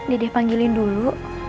dede panggilin dulu